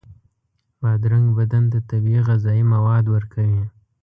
بادرنګ بدن ته طبیعي غذایي مواد ورکوي.